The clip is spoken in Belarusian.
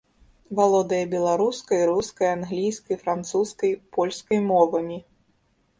Валодае беларускай, рускай, англійскай, французскай, польскай мовамі.